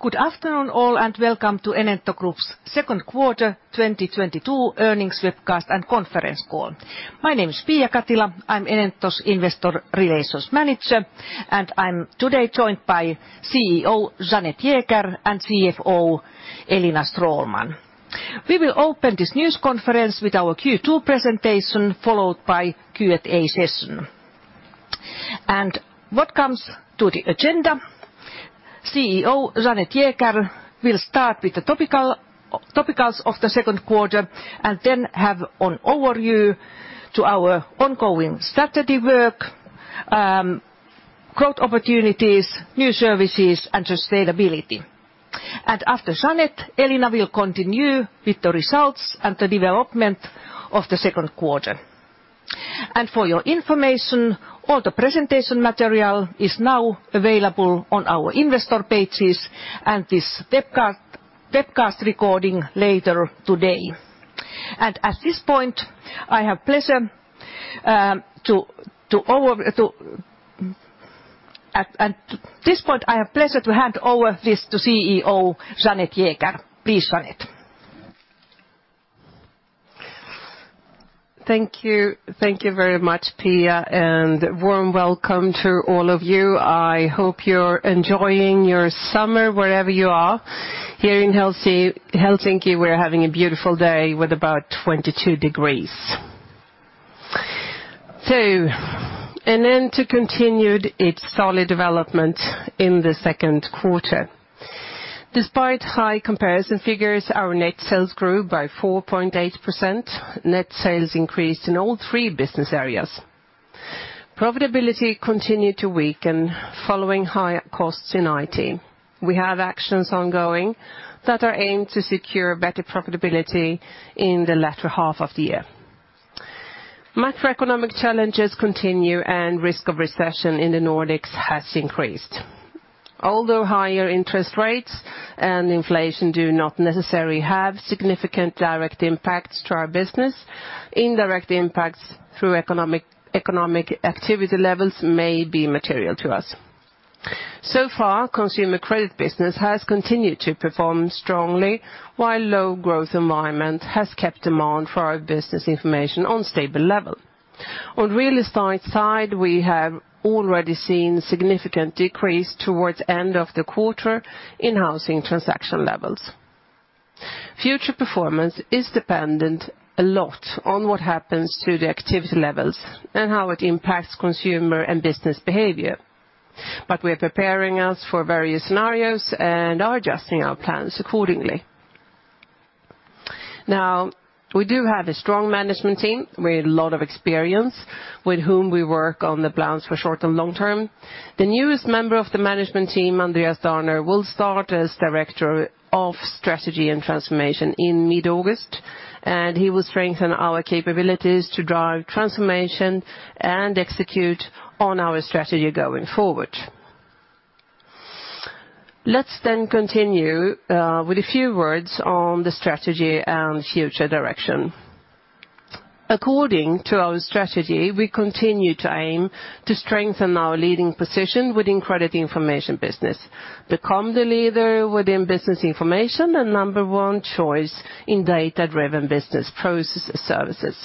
Good afternoon all, and welcome to Enento Group's Q2 2022 earnings webcast and conference call. My name is Pia Katila. I'm Enento's investor relations manager, and I'm today joined by CEO Jeanette Jäger and CFO Elina Stråhlman. We will open this news conference with our Q2 presentation, followed by Q&A session. What comes to the agenda, CEO Jeanette Jäger will start with the topicals of the Q2 and then have an overview to our ongoing strategy work, growth opportunities, new services and sustainability. After Jeanette, Elina will continue with the results and the development of the Q2. For your information, all the presentation material is now available on our investor pages and this webcast recording later today. At this point, I have pleasure to hand over this to CEO Jeanette Jäger. Please, Jeanette. Thank you. Thank you very much, Pia, and warm welcome to all of you. I hope you're enjoying your summer wherever you are. Here in Helsinki, we're having a beautiful day with about 22 degrees. Enento continued its solid development in the Q2. Despite high comparison figures, our net sales grew by 4.8%. Net sales increased in all three business areas. Profitability continued to weaken following high costs in IT. We have actions ongoing that are aimed to secure better profitability in the latter half of the year. Macroeconomic challenges continue and risk of recession in the Nordics has increased. Although higher interest rates and inflation do not necessarily have significant direct impacts to our business, indirect impacts through economic activity levels may be material to us. So far, consumer credit business has continued to perform strongly, while low growth environment has kept demand for our business information on stable level. On real estate side, we have already seen significant decrease towards end of the quarter in housing transaction levels. Future performance is dependent a lot on what happens to the activity levels and how it impacts consumer and business behavior. We are preparing us for various scenarios and are adjusting our plans accordingly. Now, we do have a strong management team with a lot of experience, with whom we work on the plans for short and long term. The newest member of the management team, Andreas Darner, will start as Director of Strategy and Transformation in mid-August, and he will strengthen our capabilities to drive transformation and execute on our strategy going forward. Let's continue with a few words on the strategy and future direction. According to our strategy, we continue to aim to strengthen our leading position within credit information business, become the leader within business information and number one choice in data-driven business process services.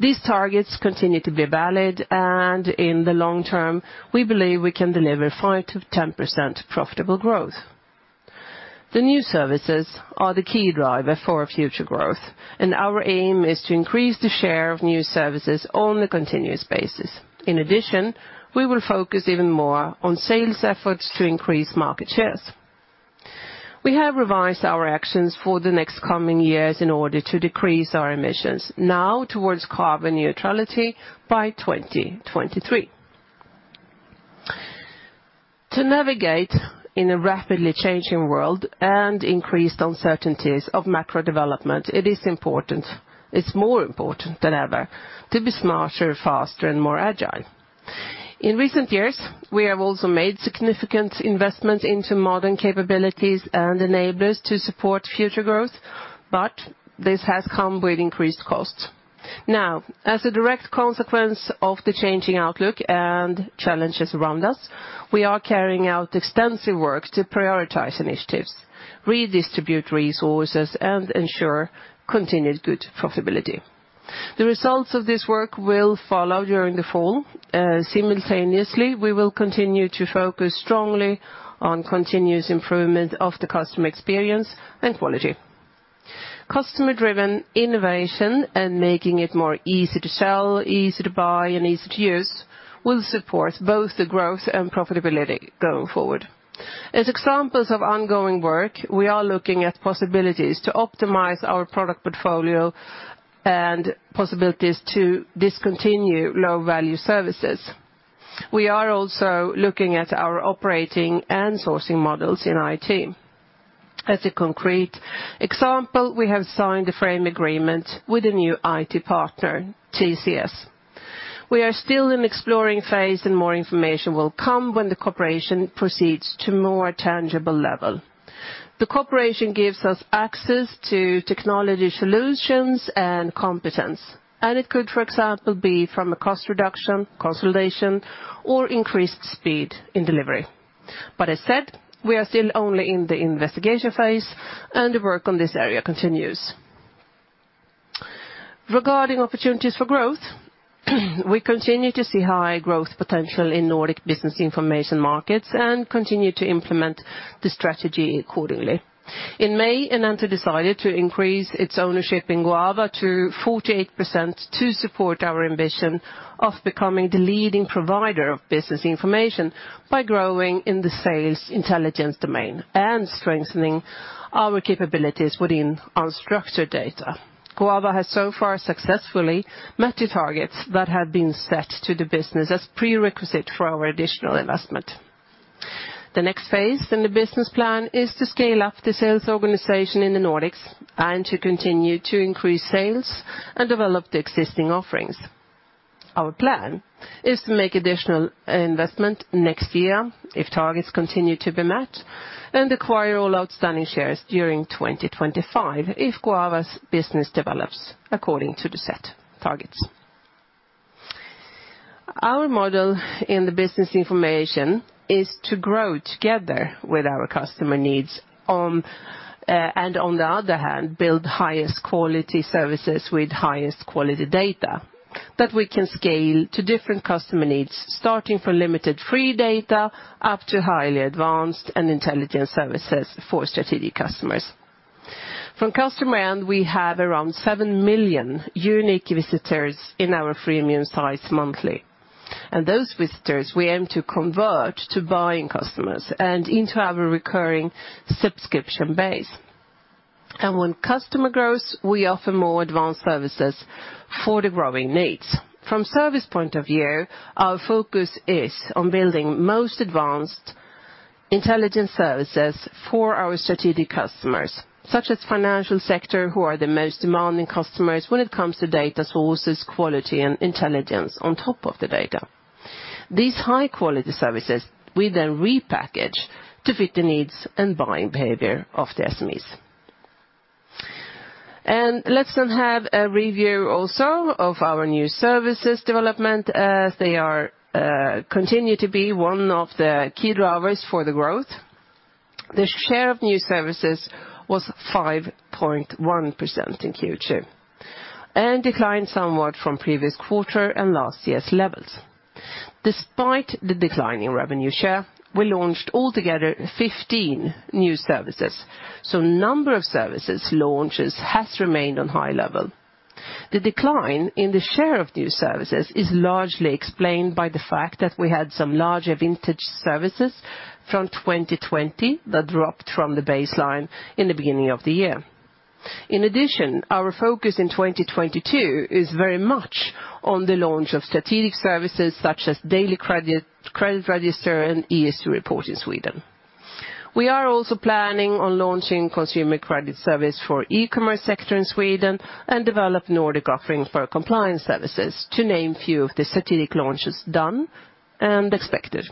These targets continue to be valid, and in the long term, we believe we can deliver 5%-10% profitable growth. The new services are the key driver for future growth, and our aim is to increase the share of new services on a continuous basis. In addition, we will focus even more on sales efforts to increase market shares. We have revised our actions for the next coming years in order to decrease our emissions now towards carbon neutrality by 2023. To navigate in a rapidly changing world and increased uncertainties of macro development, it's more important than ever to be smarter, faster, and more agile. In recent years, we have also made significant investments into modern capabilities and enablers to support future growth, but this has come with increased costs. Now, as a direct consequence of the changing outlook and challenges around us, we are carrying out extensive work to prioritize initiatives, redistribute resources, and ensure continued good profitability. The results of this work will follow during the fall. Simultaneously, we will continue to focus strongly on continuous improvement of the customer experience and quality. Customer-driven innovation and making it more easy to sell, easy to buy, and easy to use will support both the growth and profitability going forward. As examples of ongoing work, we are looking at possibilities to optimize our product portfolio and possibilities to discontinue low-value services. We are also looking at our operating and sourcing models in IT. As a concrete example, we have signed a frame agreement with a new IT partner, TCS. We are still in exploring phase and more information will come when the cooperation proceeds to more tangible level. The cooperation gives us access to technology solutions and competence. It could, for example, be from a cost reduction, consolidation, or increased speed in delivery. As said, we are still only in the investigation phase, and the work on this area continues. Regarding opportunities for growth, we continue to see high growth potential in Nordic business information markets and continue to implement the strategy accordingly. In May, Enento decided to increase its ownership in Goava to 48% to support our ambition of becoming the leading provider of business information by growing in the sales intelligence domain and strengthening our capabilities within unstructured data. Goava has so far successfully met the targets that have been set to the business as prerequisite for our additional investment. The next phase in the business plan is to scale up the sales organization in the Nordics and to continue to increase sales and develop the existing offerings. Our plan is to make additional investment next year if targets continue to be met, and acquire all outstanding shares during 2025 if Goava's business develops according to the set targets. Our model in the business information is to grow together with our customer needs, and on the other hand, build highest quality services with highest quality data that we can scale to different customer needs, starting from limited free data up to highly advanced and intelligent services for strategic customers. From customer end, we have around 7 million unique visitors in our freemium sites monthly. Those visitors we aim to convert to buying customers and into our recurring subscription base. When customer grows, we offer more advanced services for the growing needs. From service point of view, our focus is on building most advanced intelligent services for our strategic customers, such as financial sector, who are the most demanding customers when it comes to data sources, quality, and intelligence on top of the data. These high-quality services we then repackage to fit the needs and buying behavior of the SMEs. Let's then have a review also of our new services development, as they continue to be one of the key drivers for the growth. The share of new services was 5.1% in Q2 and declined somewhat from previous quarter and last year's levels. Despite the decline in revenue share, we launched altogether 15 new services, so number of services launches has remained on high level. The decline in the share of new services is largely explained by the fact that we had some larger vintage services from 2020 that dropped from the baseline in the beginning of the year. In addition, our focus in 2022 is very much on the launch of strategic services such as daily credit register, and ESG report in Sweden. We are also planning on launching consumer credit service for e-commerce sector in Sweden and develop Nordic offering for compliance services, to name a few of the strategic launches done and expected.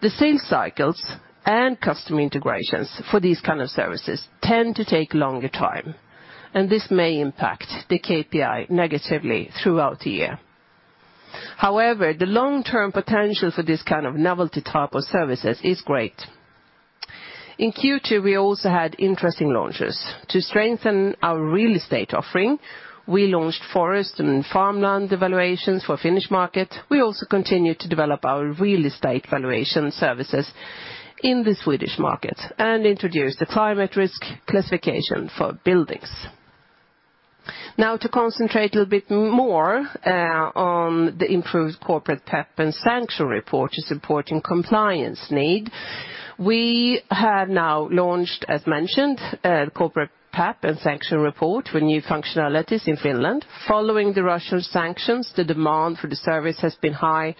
The sales cycles and customer integrations for these kind of services tend to take longer time, and this may impact the KPI negatively throughout the year. However, the long-term potential for this kind of novelty type of services is great. In Q2, we also had interesting launches. To strengthen our real estate offering, we launched forest and farmland evaluations for Finnish market. We also continued to develop our real estate valuation services in the Swedish market and introduced the climate risk classification for buildings. Now to concentrate a little bit more on the improved corporate PEP and sanction report to supporting compliance need. We have now launched, as mentioned, a corporate PEP and sanctions report with new functionalities in Finland. Following the Russian sanctions, the demand for the service has been high,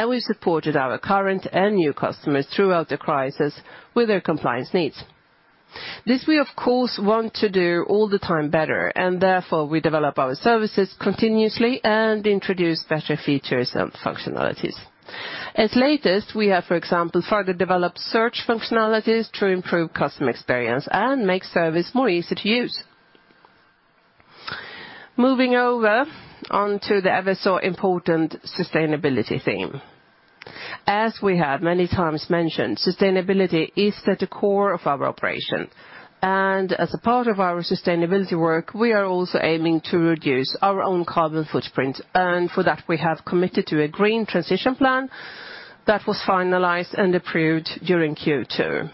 and we supported our current and new customers throughout the crisis with their compliance needs. This we of course want to do all the time better, and therefore we develop our services continuously and introduce better features and functionalities. As the latest, we have, for example, further developed search functionalities to improve customer experience and make service more easy to use. Moving over onto the ever so important sustainability theme. As we have many times mentioned, sustainability is at the core of our operation. As a part of our sustainability work, we are also aiming to reduce our own carbon footprint. For that, we have committed to a green transition plan that was finalized and approved during Q2.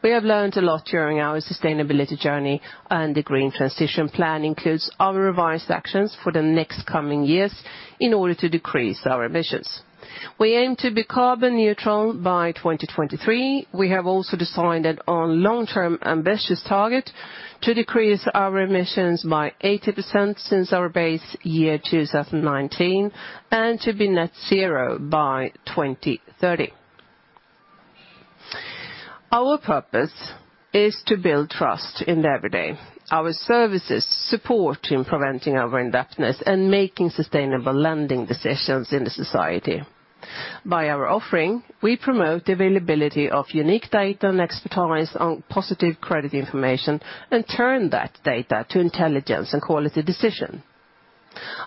We have learned a lot during our sustainability journey, and the green transition plan includes our revised actions for the next coming years in order to decrease our emissions. We aim to be carbon neutral by 2023. We have also decided on long-term ambitious target to decrease our emissions by 80% since our base year 2019, and to be net zero by 2030. Our purpose is to build trust in the everyday. Our services support in preventing overindebtedness and making sustainable lending decisions in the society. By our offering, we promote the availability of unique data and expertise on positive credit information, and turn that data to intelligence and quality decision.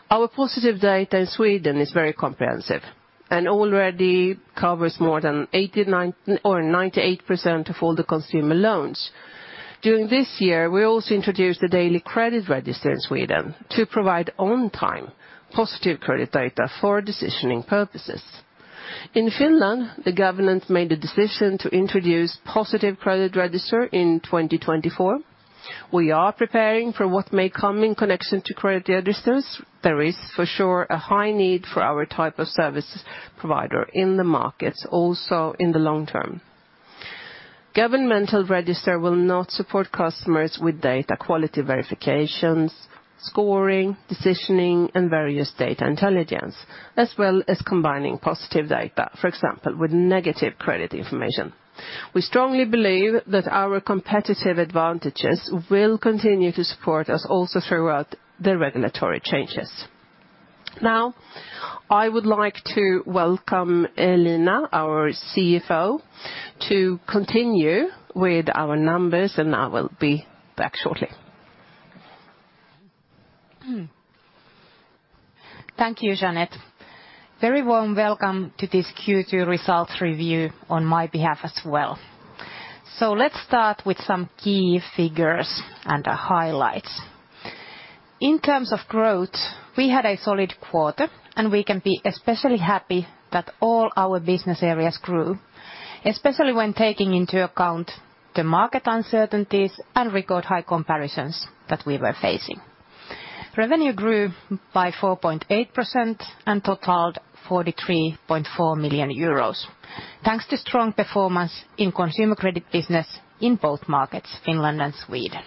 Our positive data in Sweden is very comprehensive, and already covers more than 89 or 98% of all the consumer loans. During this year, we also introduced the daily credit register in Sweden to provide on-time positive credit data for decisioning purposes. In Finland, the government made the decision to introduce positive credit register in 2024. We are preparing for what may come in connection to credit registers. There is, for sure, a high need for our type of services provider in the markets, also in the long term. Governmental register will not support customers with data quality verifications, scoring, decisioning, and various data intelligence, as well as combining positive data, for example, with negative credit information. We strongly believe that our competitive advantages will continue to support us also throughout the regulatory changes. Now, I would like to welcome Elina, our CFO, to continue with our numbers, and I will be back shortly. Thank you, Jeanette Jäger. Very warm welcome to this Q2 results review on my behalf as well. Let's start with some key figures and the highlights. In terms of growth, we had a solid quarter, and we can be especially happy that all our business areas grew, especially when taking into account the market uncertainties and record high comparisons that we were facing. Revenue grew by 4.8% and totaled 43.4 million euros thanks to strong performance in consumer credit business in both markets, Finland and Sweden.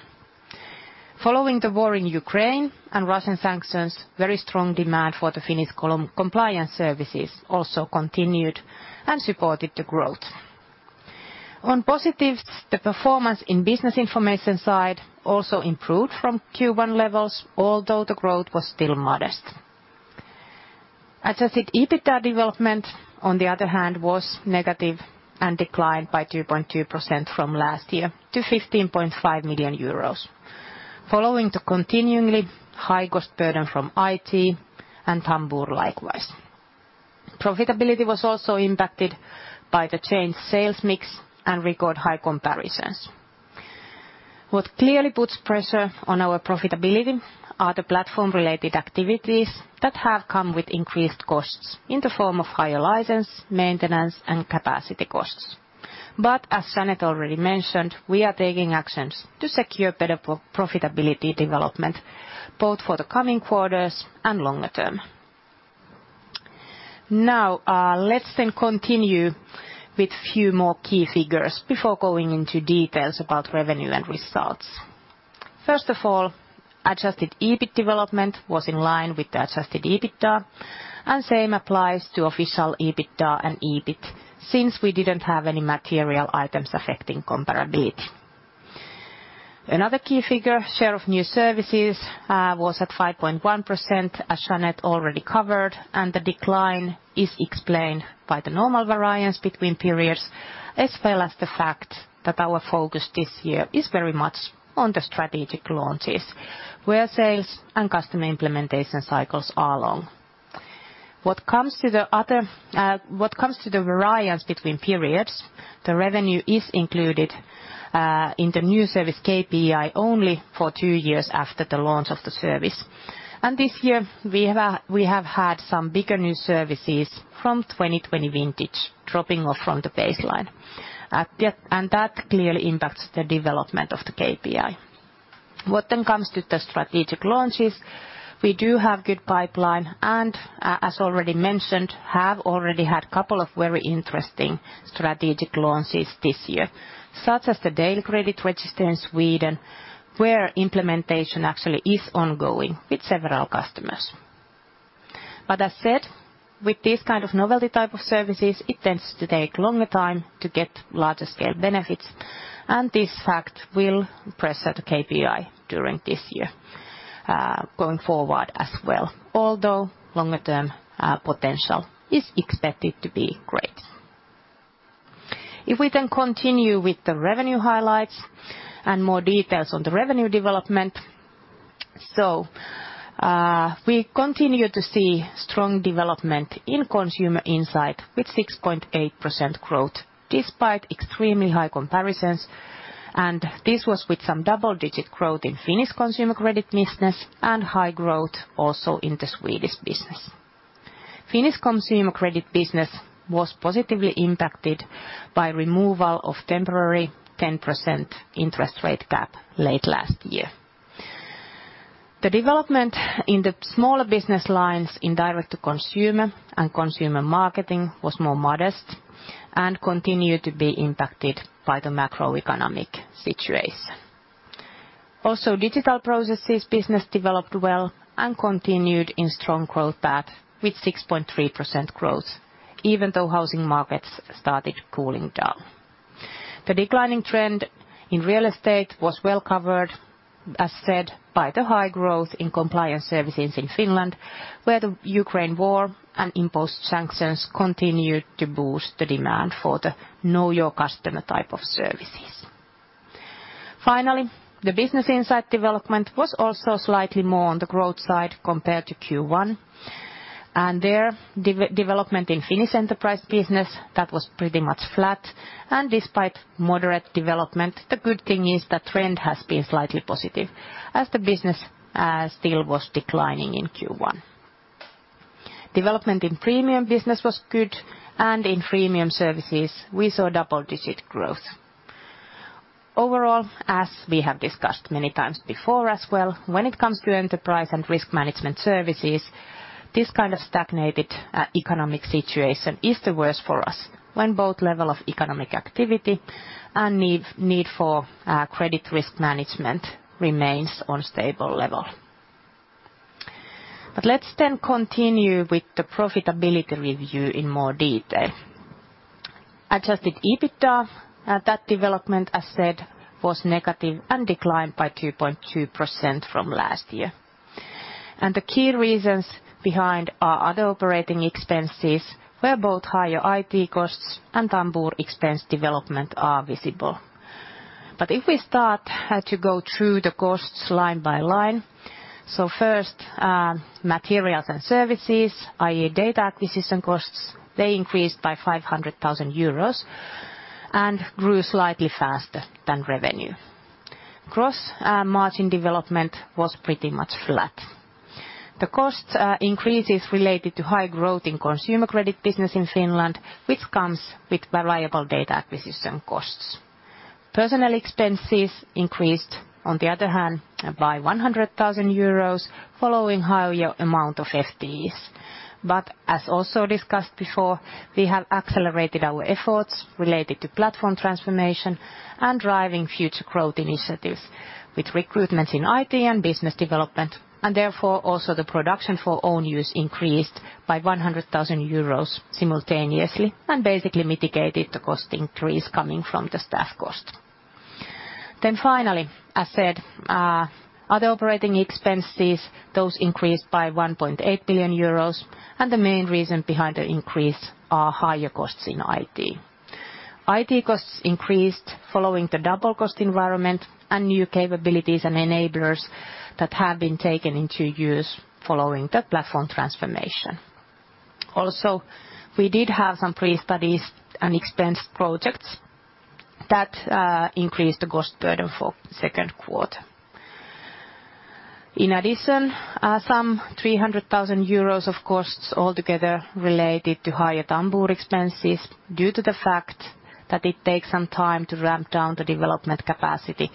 Following the war in Ukraine and Russian sanctions, very strong demand for the Finnish compliance services also continued and supported the growth. On positives, the performance in business information side also improved from Q1 levels, although the growth was still modest. Adjusted EBITDA development, on the other hand, was negative and declined by 2.2% from last year to 15.5 million euros following the continuing high cost burden from IT and Tambur likewise. Profitability was also impacted by the change sales mix and record high comparisons. What clearly puts pressure on our profitability are the platform-related activities that have come with increased costs in the form of higher license, maintenance, and capacity costs. Jeanette already mentioned, we are taking actions to secure better profitability development both for the coming quarters and longer term. Now, let's then continue with few more key figures before going into details about revenue and results. First of all, adjusted EBIT development was in line with the adjusted EBITDA, and same applies to official EBITDA and EBIT since we didn't have any material items affecting comparability. Another key figure, share of new services, was at 5.1%, as Jeanette Jäger already covered, and the decline is explained by the normal variance between periods, as well as the fact that our focus this year is very much on the strategic launches where sales and customer implementation cycles are long. What comes to the variance between periods, the revenue is included in the new service KPI only for two years after the launch of the service. This year we have had some bigger new services from 2020 vintage dropping off from the baseline. That clearly impacts the development of the KPI. When it comes to the strategic launches, we do have good pipeline and, as already mentioned, have already had couple of very interesting strategic launches this year, such as the daily credit register in Sweden, where implementation actually is ongoing with several customers. As said, with this kind of novelty type of services, it tends to take longer time to get larger scale benefits, and this fact will pressure the KPI during this year, going forward as well, although longer term, potential is expected to be great. If we then continue with the revenue highlights and more details on the revenue development. We continue to see strong development in consumer insight with 6.8% growth despite extremely high comparisons, and this was with some double-digit growth in Finnish consumer credit business and high growth also in the Swedish business. Finnish consumer credit business was positively impacted by removal of temporary 10% interest rate cap late last year. The development in the smaller business lines in direct to consumer and consumer marketing was more modest and continued to be impacted by the macroeconomic situation. Also, digital processes business developed well and continued in strong growth path with 6.3% growth even though housing markets started cooling down. The declining trend in real estate was well-covered, as said, by the high growth in compliance services in Finland, where the Ukraine war and imposed sanctions continued to boost the demand for the know your customer type of services. Finally, the business insight development was also slightly more on the growth side compared to Q1. The development in Finnish enterprise business, that was pretty much flat. Despite moderate development, the good thing is that trend has been slightly positive, as the business still was declining in Q1. Development in premium business was good, and in freemium services, we saw double-digit growth. Overall, as we have discussed many times before as well, when it comes to enterprise and risk management services, this kind of stagnated economic situation is the worst for us when both level of economic activity and need for credit risk management remains on stable level. Let's then continue with the profitability review in more detail. Adjusted EBITDA that development, as said, was negative and declined by 2.2% from last year. The key reasons behind our other operating expenses were both higher IT costs and Tambur expense development are visible. If we start to go through the costs line by line, so first, materials and services, i.e. data acquisition costs, they increased by 500 thousand euros and grew slightly faster than revenue. Gross margin development was pretty much flat. The cost increases related to high growth in consumer credit business in Finland, which comes with variable data acquisition costs. Personnel expenses increased on the other hand by 100 thousand euros following higher amount of FTEs. As also discussed before, we have accelerated our efforts related to platform transformation and driving future growth initiatives with recruitments in IT and business development, and therefore also the production for own use increased by 100 thousand euros simultaneously, and basically mitigated the cost increase coming from the staff cost. Finally, as said, other operating expenses, those increased by 1.8 billion euros, and the main reason behind the increase are higher costs in IT. IT costs increased following the double cost environment and new capabilities and enablers that have been taken into use following the platform transformation. Also, we did have some pre-studies and expense projects that increased the cost burden for Q2. In addition, some 300,000 euros of costs altogether related to higher Tambur expenses due to the fact that it takes some time to ramp down the development capacity,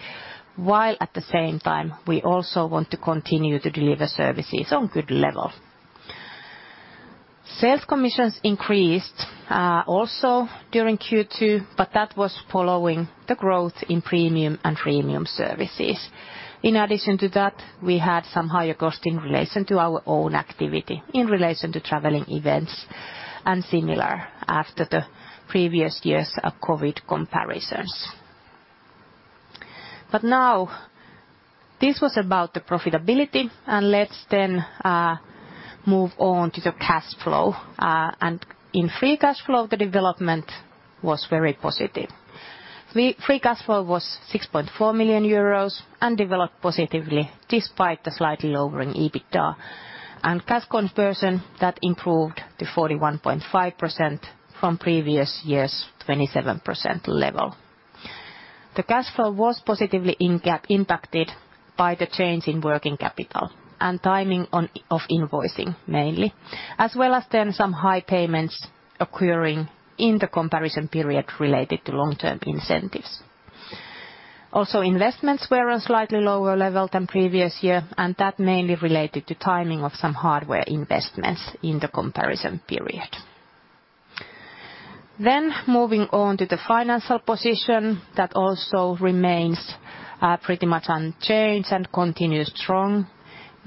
while at the same time, we also want to continue to deliver services on good level. Sales commissions increased also during Q2, but that was following the growth in premium and freemium services. In addition to that, we had some higher cost in relation to our own activity, in relation to traveling events and similar after the previous year's COVID comparisons. Now this was about the profitability, and let's then move on to the cash flow. In free cash flow, the development was very positive. Free cash flow was 6.4 million euros and developed positively despite the slightly lowering EBITDA. Cash conversion, that improved to 41.5% from previous year's 27% level. The cash flow was positively impacted by the change in working capital and timing of invoicing mainly, as well as then some high payments occurring in the comparison period related to long-term incentives. Also, investments were on slightly lower level than previous year, and that mainly related to timing of some hardware investments in the comparison period. Moving on to the financial position, that also remains pretty much unchanged and continues strong.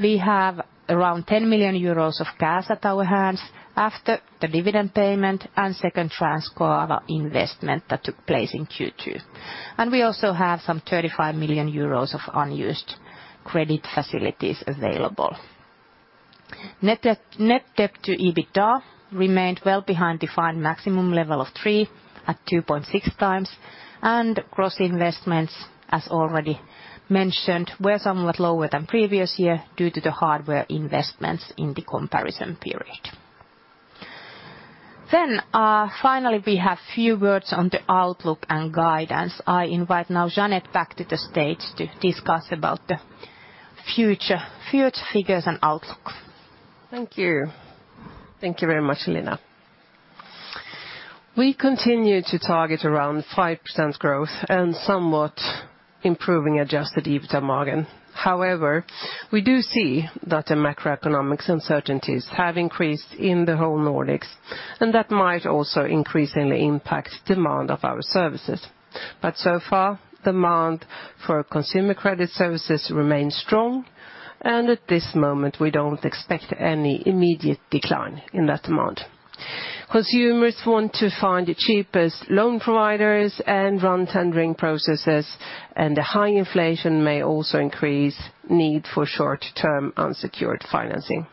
We have around 10 million euros of cash at our hands after the dividend payment and second Goava investment that took place in Q2. We also have some 35 million euros of unused credit facilities available. Net debt to EBITDA remained well behind defined maximum level of 3 at 2.6x, and gross investments, as already mentioned, were somewhat lower than previous year due to the hardware investments in the comparison period. Finally, we have few words on the outlook and guidance. I invite now Jeanette back to the stage to discuss about the future figures and outlooks. Thank you. Thank you very much, Elina. We continue to target around 5% growth and somewhat improving adjusted EBITDA margin. We do see that the macroeconomic uncertainties have increased in the whole Nordics, and that might also increasingly impact demand for our services. So far, demand for consumer credit services remains strong, and at this moment, we don't expect any immediate decline in that demand. Consumers want to find the cheapest loan providers and run tendering processes, and the high inflation may also increase need for short-term unsecured financing.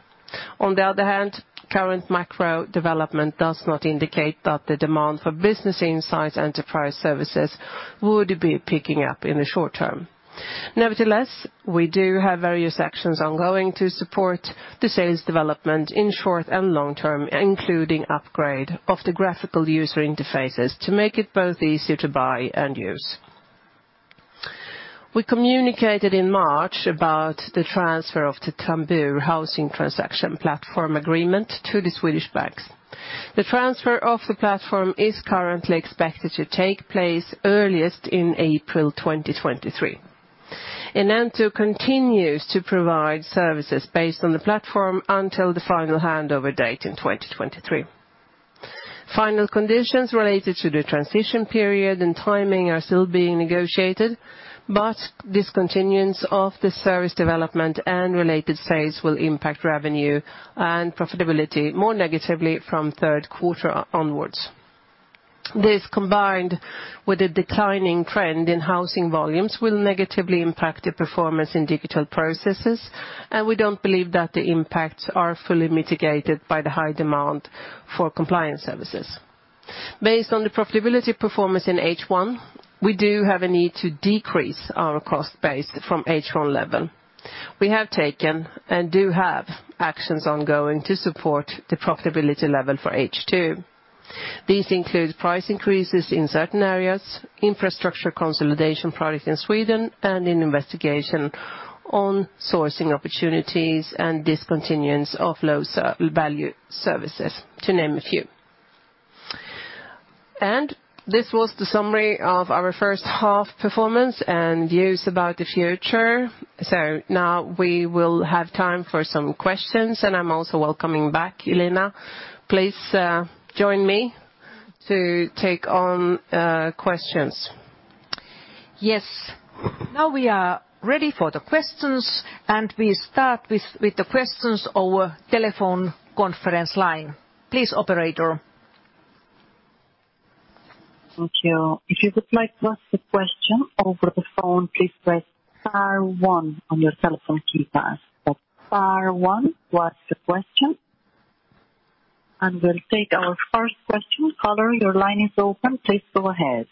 Current macro development does not indicate that the demand for business insight enterprise services would be picking up in the short term. We do have various actions ongoing to support the sales development in short and long term, including upgrade of the graphical user interfaces to make it both easier to buy and use. We communicated in March about the transfer of the Tambur housing transaction platform agreement to the Swedish banks. The transfer of the platform is currently expected to take place earliest in April 2023. Enento continues to provide services based on the platform until the final handover date in 2023. Final conditions related to the transition period and timing are still being negotiated, but discontinuance of the service development and related sales will impact revenue and profitability more negatively from Q3 onwards. This, combined with a declining trend in housing volumes, will negatively impact the performance in digital processes, and we don't believe that the impacts are fully mitigated by the high demand for compliance services. Based on the profitability performance in H1, we do have a need to decrease our cost base from H1 level. We have taken and do have actions ongoing to support the profitability level for H2. These include price increases in certain areas, infrastructure consolidation products in Sweden and an investigation on sourcing opportunities and discontinuance of low-value services, to name a few. This was the summary of our first half performance and views about the future. Now we will have time for some questions, and I'm also welcoming back Elina. Please, join me to take on questions. Yes. Now we are ready for the questions, and we start with the questions over telephone conference line. Please, operator. Thank you. If you would like to ask a question over the phone, please press star one on your telephone keypad. Star one, what's the question? We'll take our first question. Caller, your line is open. Please go ahead.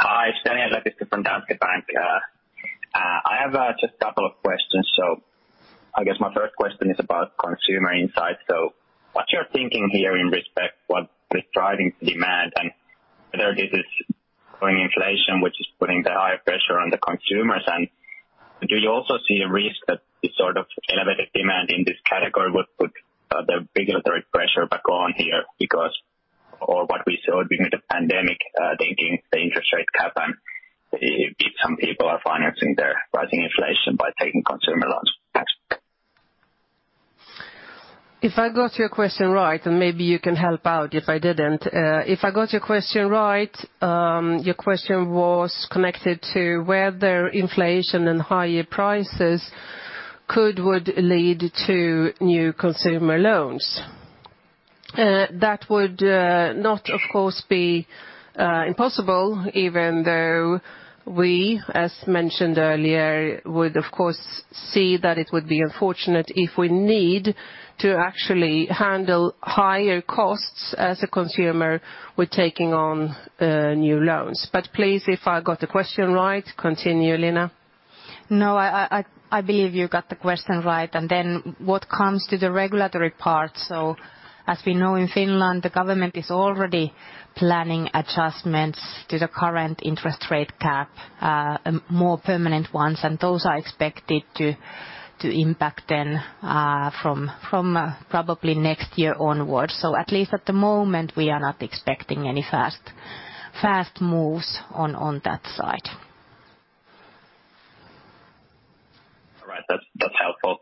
Hi. It's Danny. If I got your question right, and maybe you can help out if I didn't. If I got your question right, your question was connected to whether inflation and higher prices would lead to new consumer loans. That would, not, of course, be, impossible, even though we, as mentioned earlier, would of course see that it would be unfortunate if we need to actually handle higher costs as a consumer with taking on, new loans. Please, if I got the question right, continue, Elina. No, I believe you got the question right. What comes to the regulatory part, as we know in Finland, the government is already planning adjustments to the current interest rate cap, more permanent ones, and those are expected to impact then, from probably next year onwards. At least at the moment, we are not expecting any fast moves on that side. All right. That's helpful.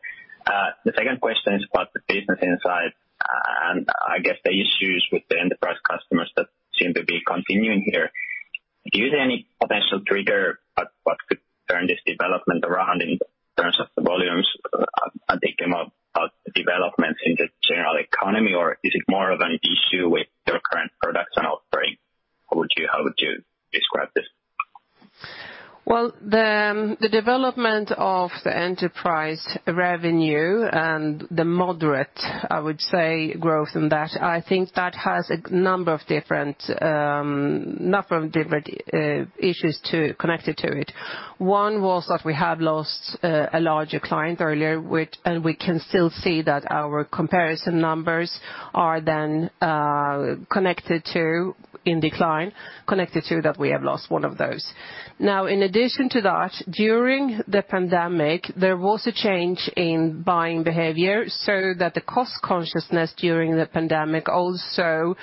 The second question is about the business insight, and I guess the issues with the enterprise customers that seem to be continuing here. Do you see any potential trigger as to what could turn this development around in terms of the volumes, and think about developments in the general economy, or is it more of an issue with your current products and offering? How would you describe this? Well, the development of the enterprise revenue and the moderate, I would say, growth in that, I think that has a number of different issues connected to it. One was that we have lost a larger client earlier and we can still see that our comparison numbers are then connected to in decline, connected to that we have lost one of those. Now, in addition to that, during the pandemic, there was a change in buying behavior so that the cost consciousness during the pandemic also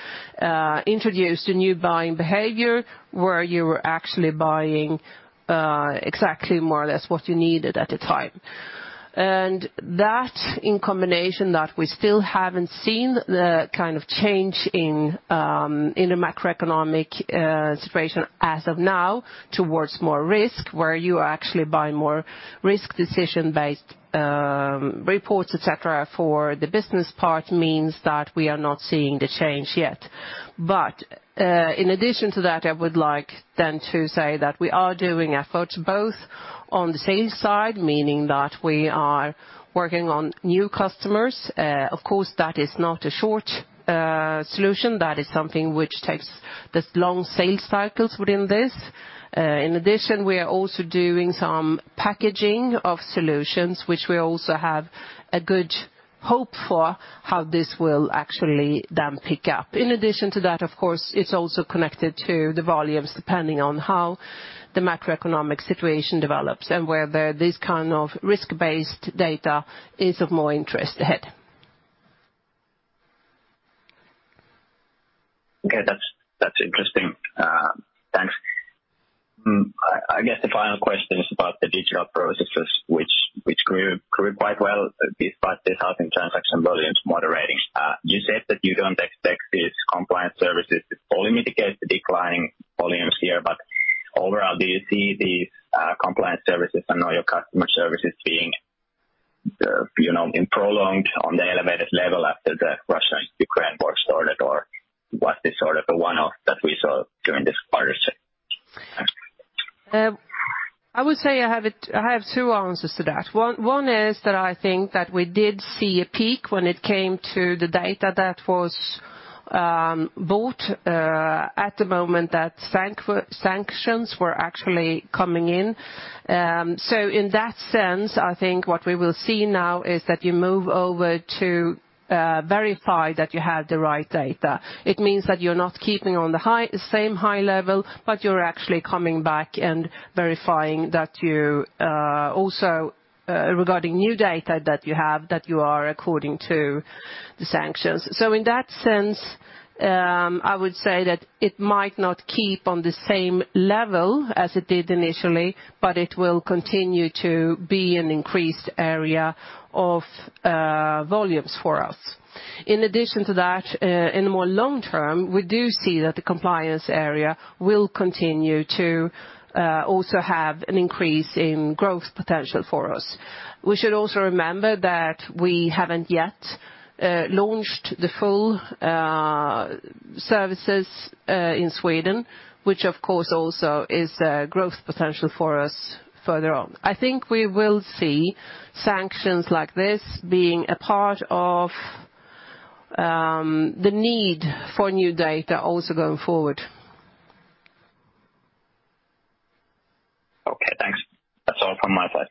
introduced a new buying behavior where you were actually buying exactly more or less what you needed at the time. That in combination we still haven't seen the kind of change in the macroeconomic situation as of now towards more risk, where you are actually buying more risk decision-based reports, et cetera, for the business part means that we are not seeing the change yet. In addition to that, I would like then to say that we are doing efforts both on the sales side, meaning that we are working on new customers. Of course, that is not a short solution. That is something which takes this long sales cycles within this. In addition, we are also doing some packaging of solutions, which we also have a good hope for how this will actually then pick up. In addition to that, of course, it's also connected to the volumes, depending on how the macroeconomic situation develops and whether this kind of risk-based data is of more interest ahead. Okay. That's interesting. Thanks. I guess the final question is about the digital processes which grew quite well despite this housing transaction volumes moderating. You said that you don't expect these compliance services to fully mitigate the decline volumes here, but overall, do you see these compliance services and all your customer services being, you know, prolonged on the elevated level after the Russia-Ukraine war started, or was this sort of a one-off that we saw during this quarter? I would say I have two answers to that. One is that I think that we did see a peak when it came to the data that was bought at the moment that sanctions were actually coming in. So in that sense, I think what we will see now is that you move over to verify that you have the right data. It means that you're not keeping on the same high level, but you're actually coming back and verifying that you also regarding new data that you have, that you are according to the sanctions. So in that sense, I would say that it might not keep on the same level as it did initially, but it will continue to be an increased area of volumes for us. In addition to that, in the longer term, we do see that the compliance area will continue to also have an increase in growth potential for us. We should also remember that we haven't yet launched the full services in Sweden, which of course also is a growth potential for us further on. I think we will see sanctions like this being a part of the need for new data also going forward. Okay, thanks. That's all from my side.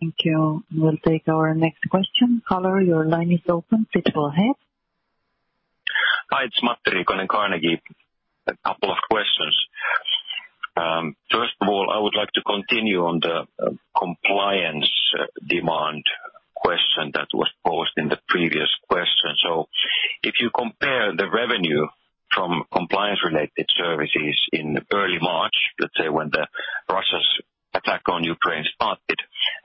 Thank you. We'll take our next question. Caller, your line is open. Please go ahead. Hi, it's Matti Riikonen, Carnegie. A couple of questions. First of all, I would like to continue on the compliance demand question that was posed in the previous question. If you compare the revenue from compliance-related services in early March, let's say when Russia's attack on Ukraine started,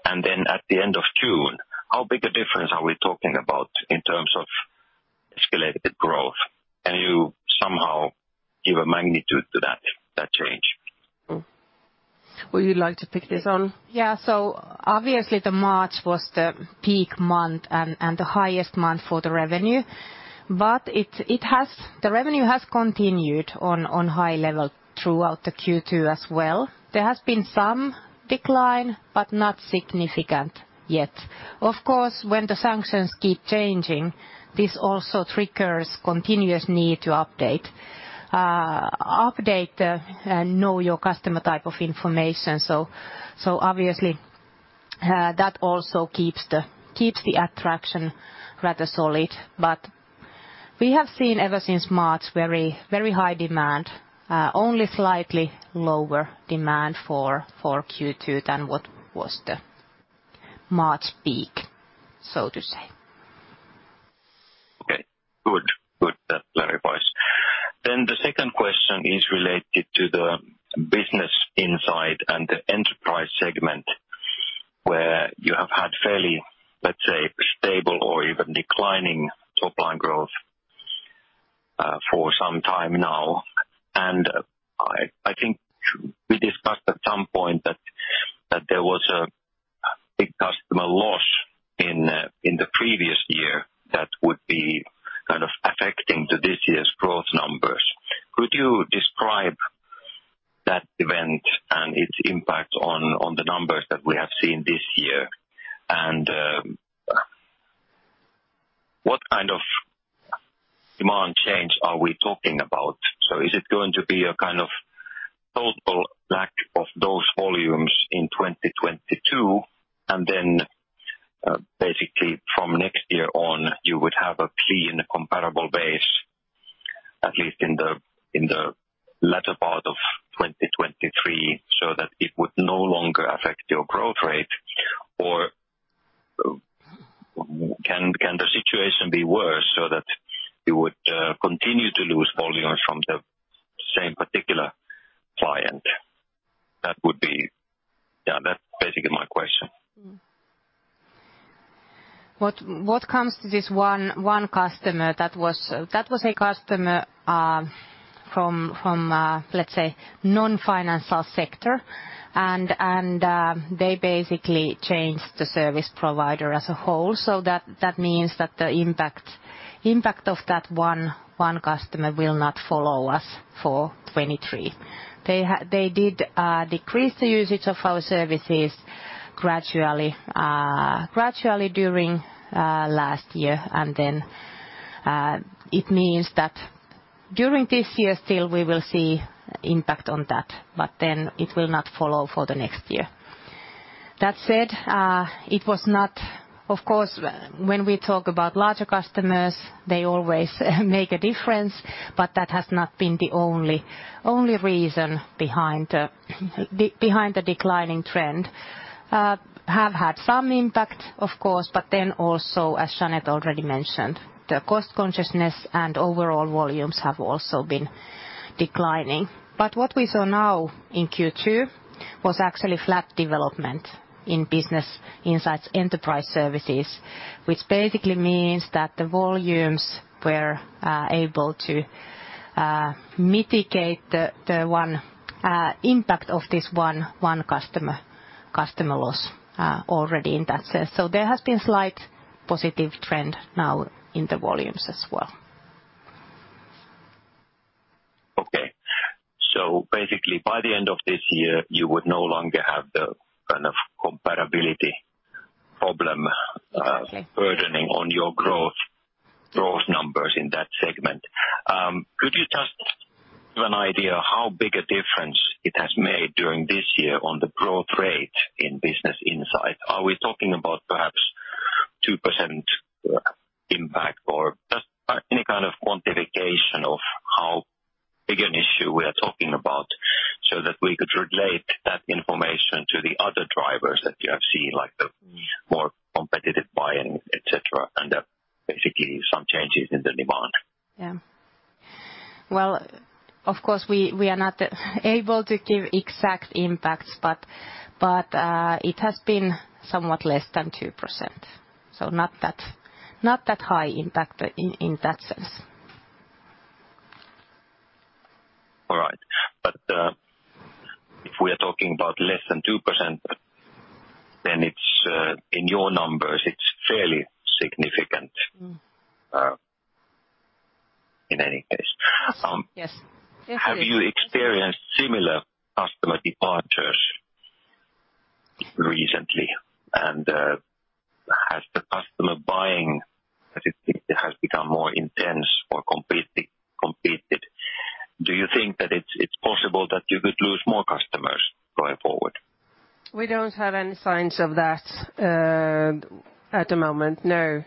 and then at the end of June, how big a difference are we talking about in terms of escalated growth? Can you somehow give a magnitude to that change? Would you like to pick this one? Yeah. Obviously the March was the peak month and the highest month for the revenue. The revenue has continued on high level throughout the Q2 as well. There has been some decline, but not significant yet. Of course, when the sanctions keep changing, this also triggers continuous need to update know your customer type of information. Obviously, that also keeps the traction rather solid. We have seen ever since March, very high demand, only slightly lower demand for Q2 than what was the March peak, so to say. Okay, good. Good. That clarifies. The second question is related to the business insight and the enterprise segment where you have had fairly, let's say, stable or even declining top line growth for some time now. I think we discussed at some point that there was a big customer loss in the previous year that would be kind of affecting to this year's growth numbers. Could you describe that event and its impact on the numbers that we have seen this year? What kind of demand change are we talking about? Is it going to be a kind of total lack of those volumes in 2022 and then, basically from next year on, you would have a clean comparable base, at least in the latter part of 2023, so that it would no longer affect your growth rate? Or can the situation be worse so that you would continue to lose volumes from the same particular client? That would be. Yeah, that's basically my question. What comes to this one customer that was a customer from let's say non-financial sector and they basically changed the service provider as a whole. That means that the impact of that one customer will not follow us for 2023. They did decrease the usage of our services gradually during last year. It means that during this year still we will see impact on that, but then it will not follow for the next year. That said, it was not of course when we talk about larger customers, they always make a difference, but that has not been the only reason behind the declining trend. Have had some impact, of course, but then also, as Jeanette Jäger already mentioned, the cost consciousness and overall volumes have also been declining. What we saw now in Q2 was actually flat development in business insights enterprise services, which basically means that the volumes were able to mitigate the one impact of this one customer loss already in that sense. There has been slight positive trend now in the volumes as well. Okay. Basically, by the end of this year, you would no longer have the kind of comparability problem. Exactly. burdening on your growth numbers in that segment. Could you just give an idea how big a difference it has made during this year on the growth rate in Business Insight? Are we talking about perhaps 2% impact, or just any kind of quantification of how big an issue we are talking about so that we could relate that information to the other drivers that you have seen, like the more competitive buying, et cetera, and basically some changes in the demand? Yeah. Well, of course, we are not able to give exact impacts, but it has been somewhat less than 2%. Not that high impact in that sense. All right. If we are talking about less than 2%, then it's in your numbers, it's fairly significant. In any case. Yes. It is. Have you experienced similar customer departures recently? Has the customer buying become more intense or completely competitive? Do you think that it's possible that you could lose more customers going forward? We don't have any signs of that at the moment, no.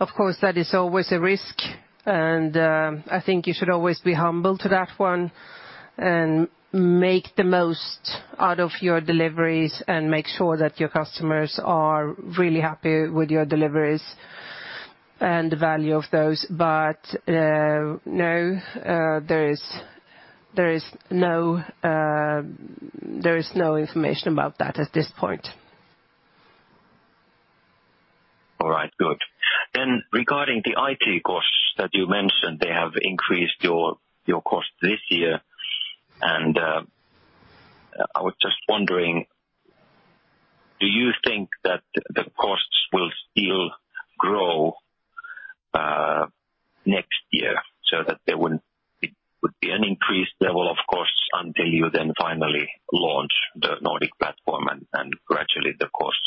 Of course, that is always a risk, and I think you should always be humble to that one and make the most out of your deliveries and make sure that your customers are really happy with your deliveries and the value of those. No, there is no information about that at this point. All right, good. Regarding the IT costs that you mentioned, they have increased your cost this year. I was just wondering, do you think that the costs will still grow next year so that it would be an increased level of costs until you then finally launch the Nordic platform and gradually the costs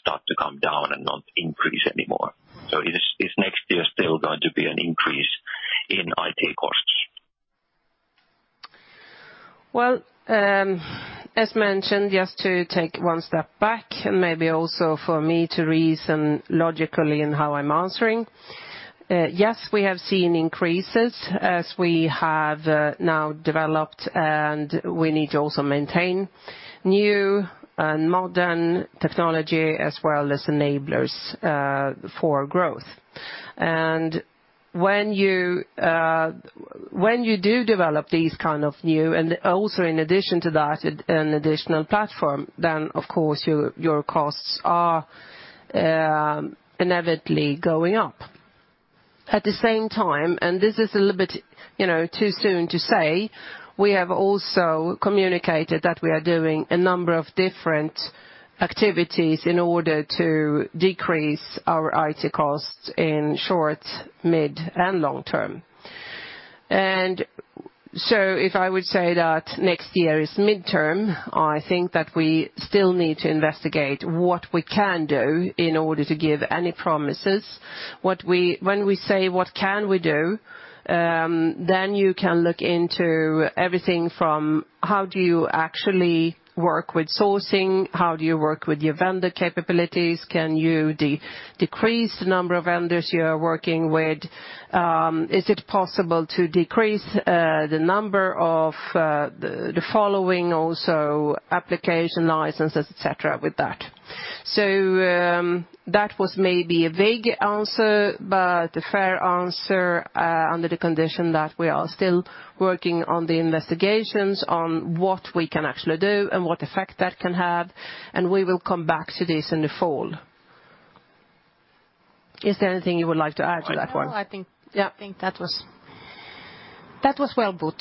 start to come down and not increase anymore. Is next year still going to be an increase in IT costs? Well, as mentioned, just to take one step back and maybe also for me to reason logically in how I'm answering. Yes, we have seen increases as we have now developed, and we need to also maintain new and modern technology as well as enablers for growth. When you do develop these kind of new and also in addition to that, an additional platform, then of course your costs are inevitably going up. At the same time, this is a little bit, you know, too soon to say, we have also communicated that we are doing a number of different activities in order to decrease our IT costs in short, mid, and long term. If I would say that next year is midterm, I think that we still need to investigate what we can do in order to give any promises. When we say what can we do, then you can look into everything from how do you actually work with sourcing, how do you work with your vendor capabilities, can you decrease the number of vendors you are working with, is it possible to decrease the number of the following also application licenses, et cetera, with that. That was maybe a vague answer, but a fair answer, under the condition that we are still working on the investigations on what we can actually do and what effect that can have, and we will come back to this in the fall. Is there anything you would like to add to that one? No, I think. Yeah. I think that was well put.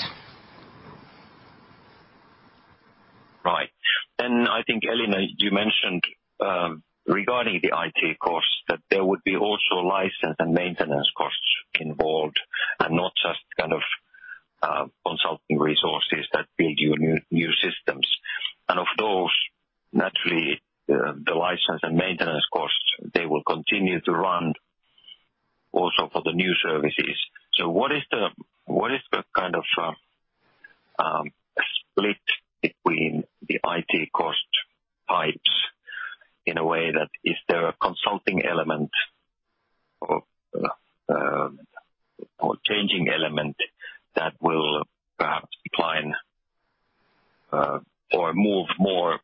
Right. I think Elina, you mentioned, regarding the IT costs, that there would be also license and maintenance costs involved and not just kind of, consulting resources that build you new systems. Of those, naturally, the license and maintenance costs, they will continue to run also for the new services. What is the kind of split between the IT cost types in a way that is there a consulting element or changing element that will perhaps decline, or move more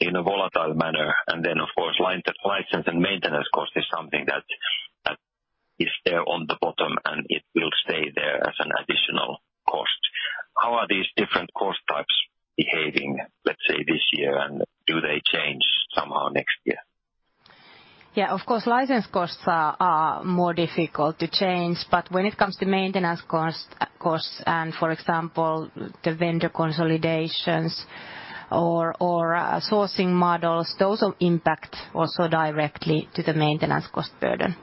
in a volatile manner? Then, of course, the license and maintenance cost is something that is there on the bottom, and it will stay there as an additional cost. How are these different cost types behaving, let's say, this year? Do they change somehow next year? Yeah. Of course, license costs are more difficult to change. When it comes to maintenance costs, and for example, the vendor consolidations or sourcing models, those will impact also directly to the maintenance cost burden.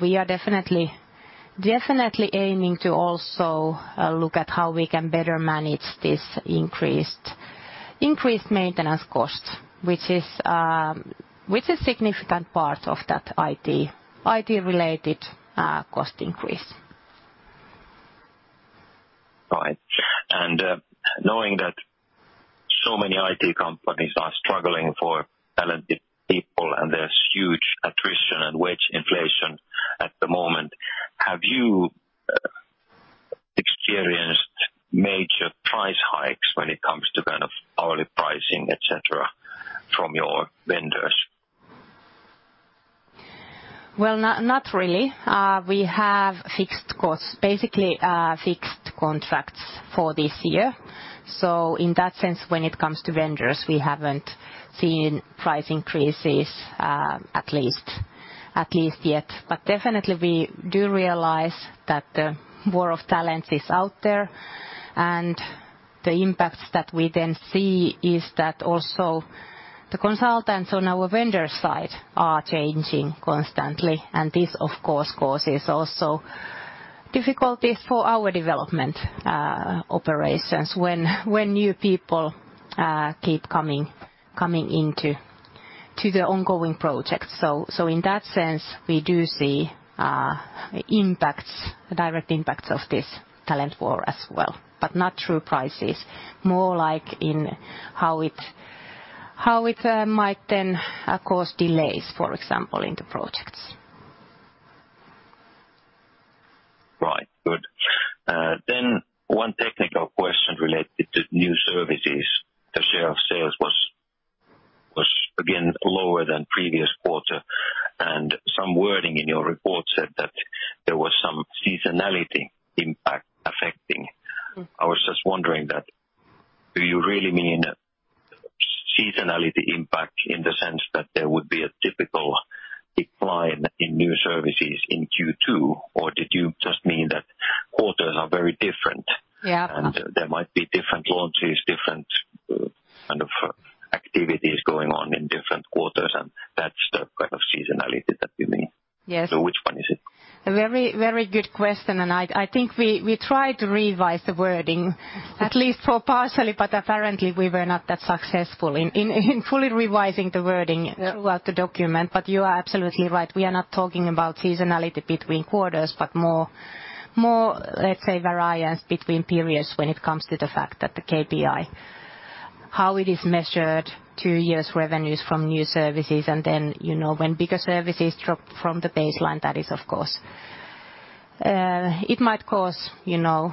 We are definitely aiming to also look at how we can better manage this increased maintenance costs, which is significant part of that IT-related cost increase. Right. Knowing that so many IT companies are struggling for talented people, and there's huge attrition and wage inflation at the moment, have you experienced major price hikes when it comes to kind of hourly pricing, et cetera, from your vendors? Well, not really. We have fixed costs, basically, fixed contracts for this year. In that sense, when it comes to vendors, we haven't seen price increases, at least yet. Definitely we do realize that the war of talent is out there, and the impacts that we then see is that also the consultants on our vendor side are changing constantly. This, of course, causes also difficulties for our development, operations when new people keep coming into the ongoing projects. In that sense, we do see impacts, direct impacts of this talent war as well, but not through prices, more like in how it might then cause delays, for example, in the projects. Right. Good. One technical question related to new services. The share of sales was again lower than previous quarter, and some wording in your report said that there was some seasonality impact affecting. I was just wondering that, do you really mean seasonality impact in the sense that there would be a typical decline in new services in Q2, or did you just mean that quarters are very different? Yeah. There might be different launches, kind of activities going on in different quarters, and that's the kind of seasonality that you mean? Yes. Which one is it? A very, very good question. I think we try to revise the wording at least partially, but apparently, we were not that successful in fully revising the wording. Yeah. Throughout the document. You are absolutely right. We are not talking about seasonality between quarters, but more, let's say, variance between periods when it comes to the fact that the KPI, how it is measured, two years revenues from new services, and then, you know, when bigger services drop from the baseline, that is, of course, it might cause, you know,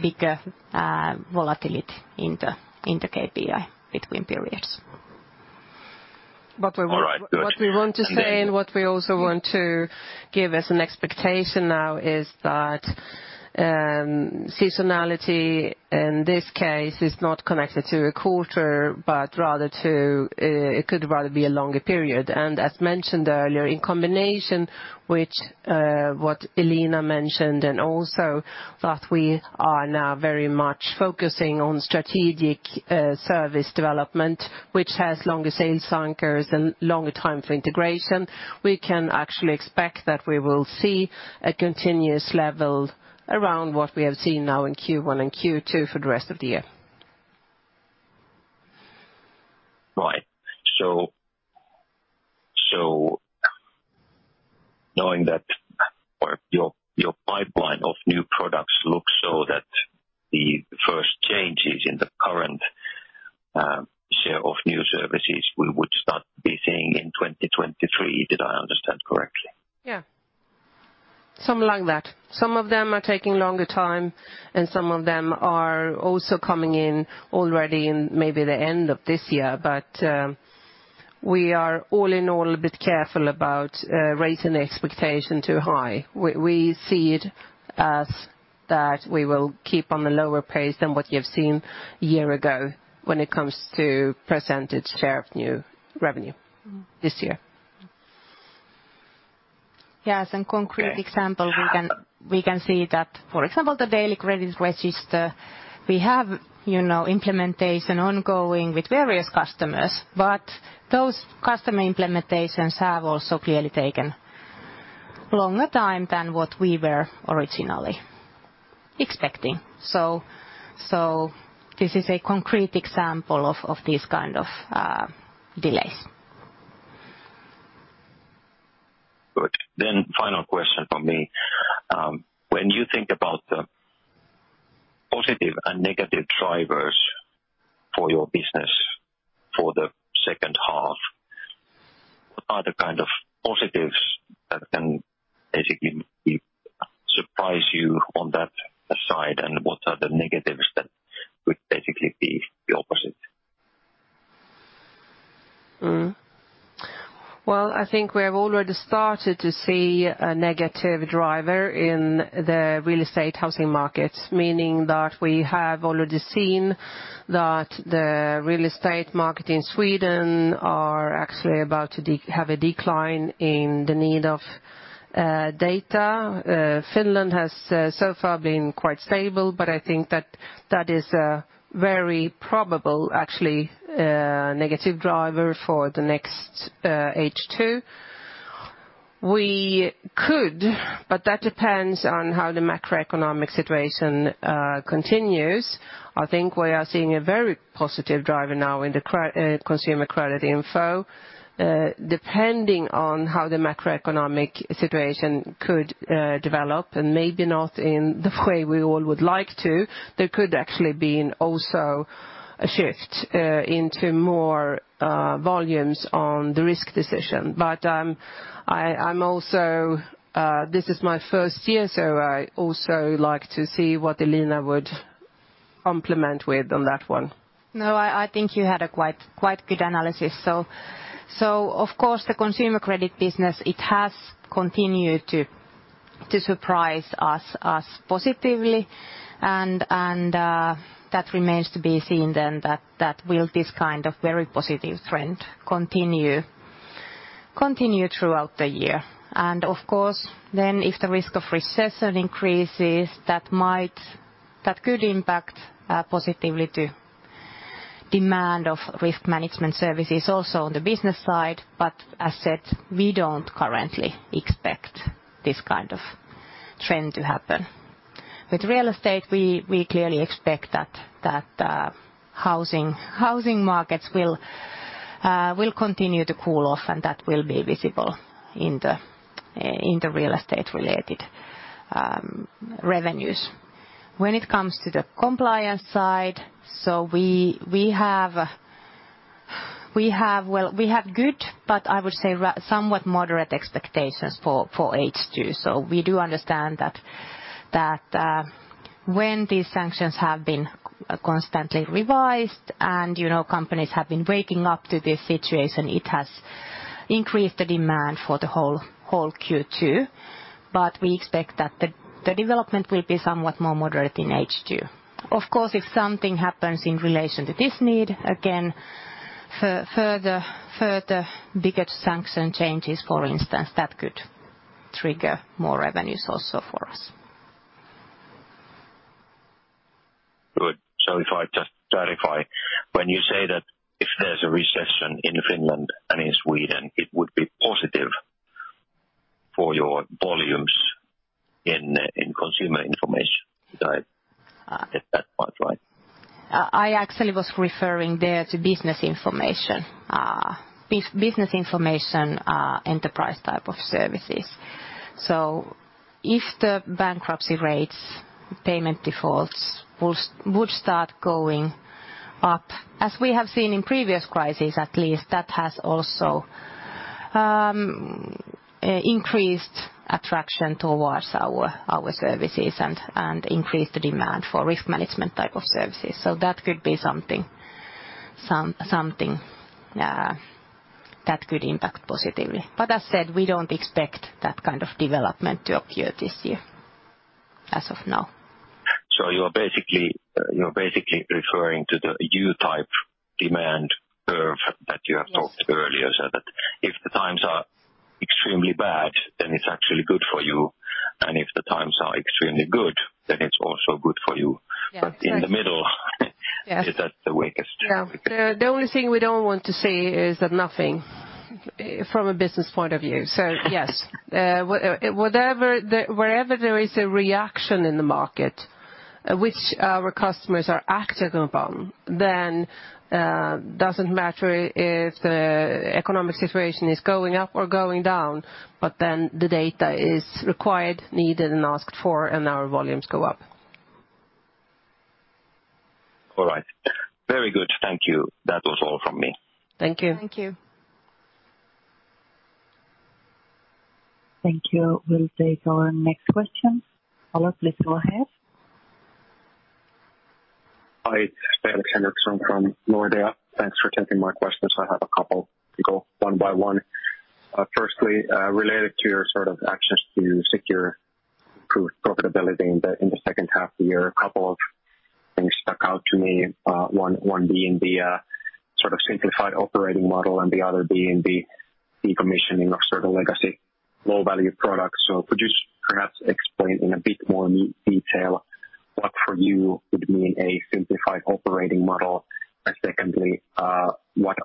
bigger volatility in the KPI between periods. We want. All right. Good. What we want to say, and what we also want to give as an expectation now is that, seasonality in this case is not connected to a quarter, but rather to it could rather be a longer period. As mentioned earlier, in combination with what Elina mentioned, and also that we are now very much focusing on strategic service development, which has longer sales anchors and longer time for integration, we can actually expect that we will see a continuous level around what we have seen now in Q1 and Q2 for the rest of the year. Right. Knowing that or your pipeline of new products look so that the first changes in the current share of new services, we would start be seeing in 2023. Did I understand correctly? Yeah. Something like that. Some of them are taking longer time, and some of them are also coming in already in maybe the end of this year. We are all in all a bit careful about raising expectation too high. We see it as that we will keep on the lower pace than what you have seen a year ago when it comes to percentage share of new revenue this year. Yes. In concrete example, we can see that, for example, the daily credit register, we have, you know, implementation ongoing with various customers, but those customer implementations have also clearly taken longer time than what we were originally expecting. So this is a concrete example of this kind of delays. Good. Final question from me. When you think about the positive and negative drivers for your business for the second half, what are the kind of positives that can basically surprise you on that side, and what are the negatives that would basically be the opposite? Well, I think we have already started to see a negative driver in the real estate housing markets, meaning that we have already seen that the real estate market in Sweden are actually about to have a decline in the need of data. Finland has so far been quite stable, but I think that is a very probable, actually, negative driver for the next H2. We could, but that depends on how the macroeconomic situation continues. I think we are seeing a very positive driver now in the consumer credit info. Depending on how the macroeconomic situation could develop, and maybe not in the way we all would like to, there could actually be also a shift into more volumes on the risk decision. I'm also, this is my first year, so I also like to see what Elina would complement with on that one. No, I think you had a quite good analysis. Of course, the consumer credit business, it has continued to surprise us positively, and that remains to be seen then that will this kind of very positive trend continue throughout the year. Of course, then if the risk of recession increases, that could impact positively to demand of risk management services also on the business side. As said, we don't currently expect this kind of trend to happen. With real estate, we clearly expect that housing markets will continue to cool off, and that will be visible in the real estate-related revenues. When it comes to the compliance side, so we have. Well, we have good, but I would say somewhat moderate expectations for H2. We do understand that when these sanctions have been constantly revised and, you know, companies have been waking up to this situation, it has increased the demand for the whole Q2. We expect that the development will be somewhat more moderate in H2. Of course, if something happens in relation to this need, again, further bigger sanctions changes, for instance, that could trigger more revenues also for us. Good. If I just clarify, when you say that if there's a recession in Finland and in Sweden, it would be positive for your volumes in consumer information. Did I get that part right? I actually was referring there to business information. Business information, enterprise type of services. If the bankruptcy rates, payment defaults would start going up, as we have seen in previous crises, at least, that has also increased attraction towards our services and increased the demand for risk management type of services. That could be something that could impact positively. As said, we don't expect that kind of development to appear this year as of now. You're basically referring to the U-type demand curve that you have talked earlier, so that if the times are extremely bad, then it's actually good for you. If the times are extremely good, then it's also good for you. Yes. In the middle is that the weakest. Yeah. The only thing we don't want to see is that nothing from a business point of view. Yes, wherever there is a reaction in the market which our customers are acting upon, then, doesn't matter if the economic situation is going up or going down, but then the data is required, needed, and asked for, and our volumes go up. All right. Very good. Thank you. That was all from me. Thank you. Thank you. Thank you. We'll take our next question. Olive, please go ahead. Hi, it's Felix Henriksson from Nordea. Thanks for taking my questions. I have a couple. We go one by one. Firstly, related to your sort of actions to secure improved profitability in the second half of the year, a couple of things stuck out to me. One being the sort of simplified operating model and the other being the decommissioning of certain legacy low-value products. Could you perhaps explain in a bit more detail what for you would mean a simplified operating model? And secondly, what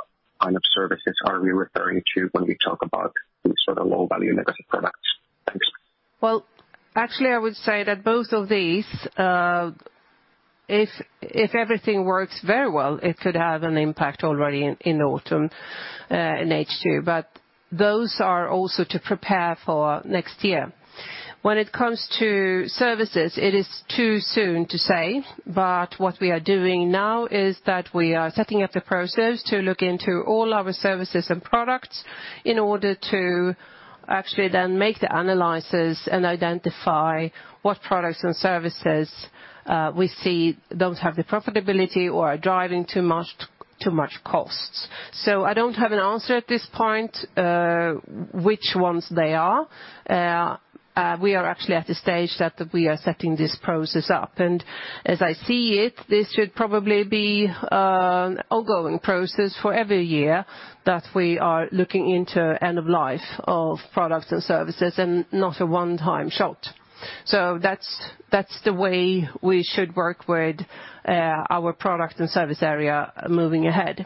kind of services are we referring to when we talk about these sort of low-value legacy products? Thanks. Well, actually, I would say that both of these, if everything works very well, it could have an impact already in autumn, in H2. Those are also to prepare for next year. When it comes to services, it is too soon to say, but what we are doing now is that we are setting up the process to look into all our services and products in order to actually then make the analysis and identify what products and services we see don't have the profitability or are driving too much costs. I don't have an answer at this point, which ones they are. We are actually at the stage that we are setting this process up. As I see it, this should probably be ongoing process for every year that we are looking into end of life of products and services and not a one-time shot. That's the way we should work with our product and service area moving ahead.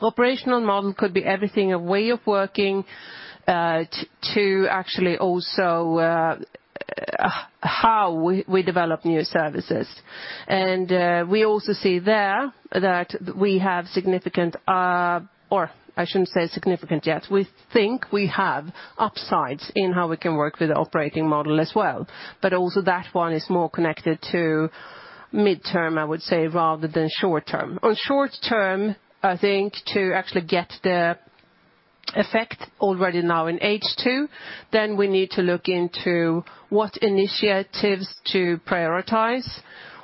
Operational model could be everything, a way of working, to actually also how we develop new services. We also see there that we have significant. Or I shouldn't say significant yet. We think we have upsides in how we can work with the operating model as well, but also that one is more connected to midterm, I would say, rather than short term. In short term, I think to actually get the effect already now in H2, then we need to look into what initiatives to prioritize,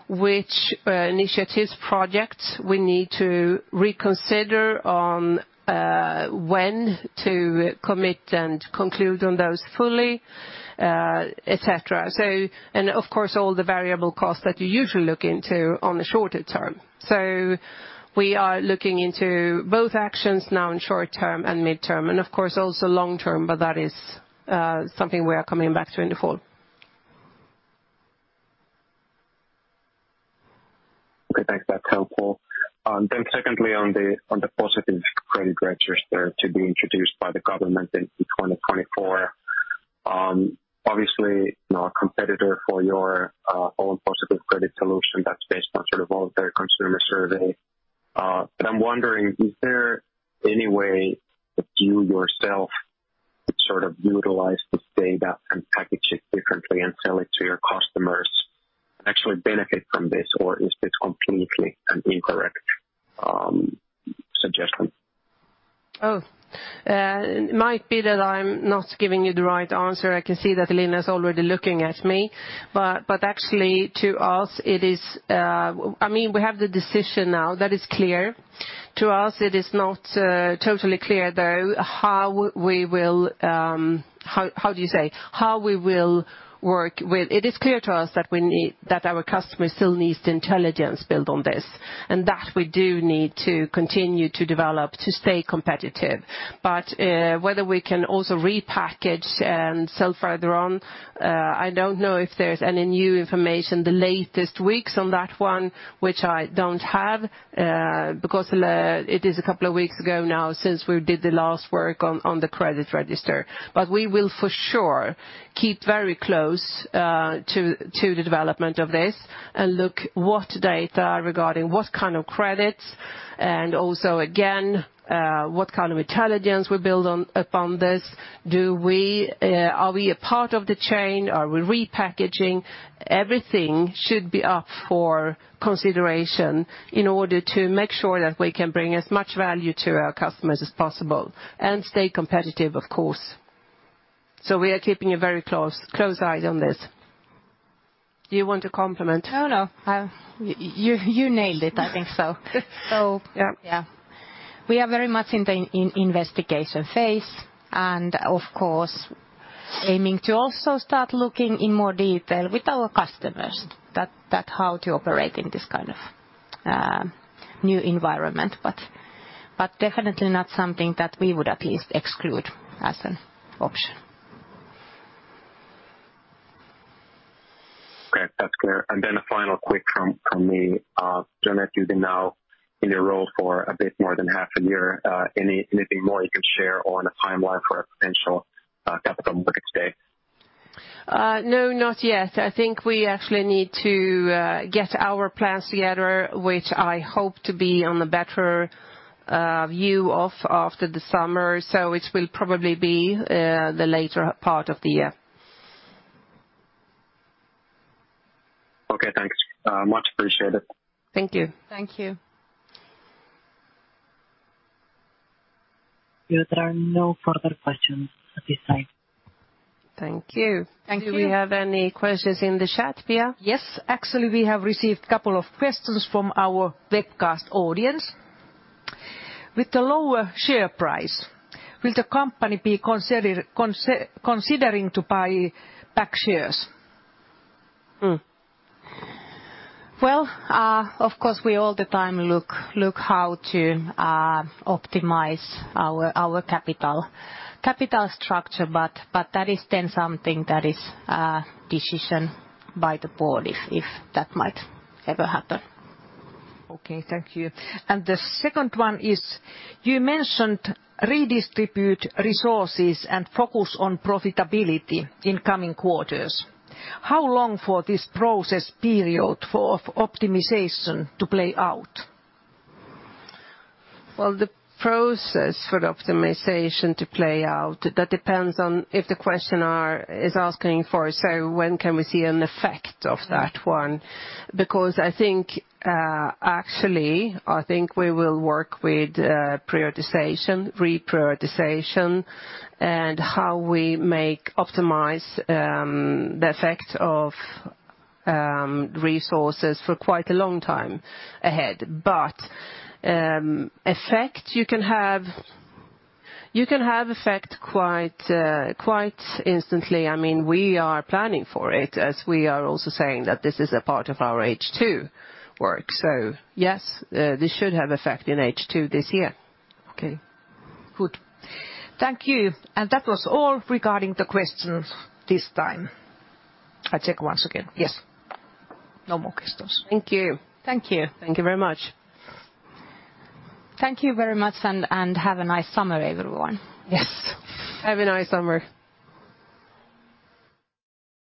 which initiatives, projects we need to reconsider on, when to commit and conclude on those fully, et cetera. Of course, all the variable costs that you usually look into in the shorter term. We are looking into both actions now in short term and midterm, and of course also long term, but that is something we are coming back to in the fall. Okay, thanks. That's helpful. Secondly, on the positive credit register to be introduced by the government in 2024, obviously not a competitor for your own positive credit solution that's based on sort of voluntary consumer survey. I'm wondering, is there any way that you yourself could sort of utilize this data and package it differently and sell it to your customers and actually benefit from this? Or is this completely an incorrect suggestion? It might be that I'm not giving you the right answer. I can see that Elina Stråhlman is already looking at me. Actually, to us, it is. I mean, we have the decision now. That is clear. To us, it is not totally clear, though. It is clear to us that our customer still needs the intelligence built on this, and that we do need to continue to develop to stay competitive. Whether we can also repackage and sell further on, I don't know if there's any new information the latest weeks on that one, which I don't have, because it is a couple of weeks ago now since we did the last work on the credit register. We will for sure keep very close to the development of this and look at what data regarding what kind of credits and also again what kind of intelligence we build upon this. Are we a part of the chain? Are we repackaging? Everything should be up for consideration in order to make sure that we can bring as much value to our customers as possible and stay competitive, of course. We are keeping a very close eye on this. Do you want to comment? No, no. You nailed it. I think so. So. Yeah. We are very much in the investigation phase and of course aiming to also start looking in more detail with our customers that how to operate in this kind of new environment. We definitely not something that we would at least exclude as an option. Okay. That's clear. Then a final quick one from me. Jeanette Jäger, you've been now in your role for a bit more than half a year. Anything more you could share on a timeline for a potential capital markets day? No, not yet. I think we actually need to get our plans together, which I hope to be on a better view of after the summer. It will probably be the later part of the year. Okay, thanks. Much appreciated. Thank you. Thank you. There are no further questions at this time. Thank you. Thank you. Do we have any questions in the chat, Pia? Yes. Actually, we have received couple of questions from our webcast audience. With the lower share price, will the company be considering to buy back shares? Well, of course, we all the time look how to optimize our capital structure, but that is then something that is decision by the board if that might ever happen. Okay. Thank you. The second one is, you mentioned redistribute resources and focus on profitability in coming quarters. How long for this process period for optimization to play out? Well, the process for the optimization to play out, that depends on if the questioner is asking for, so when can we see an effect of that one. Because I think, actually, we will work with prioritization, reprioritization, and how we make optimize the effect of resources for quite a long time ahead. Effect you can have quite instantly. I mean, we are planning for it, as we are also saying that this is a part of our H2 work. Yes, this should have effect in H2 this year. Okay. Good. Thank you. That was all regarding the questions this time. I'll check once again. Yes. No more questions. Thank you. Thank you. Thank you very much. Thank you very much, and have a nice summer, everyone. Yes. Have a nice summer.